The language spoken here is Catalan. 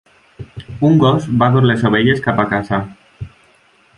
Un gos va dur les ovelles cap a casa.